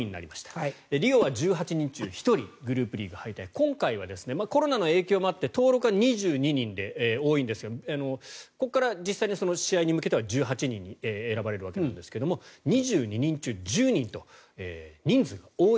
今回はコロナの影響もあって登録は２２人で多いんですがここから実際に試合に向けては１８人に選ばれるわけですが２２人中１０人と人数が多い。